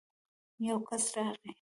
يو کس راغی.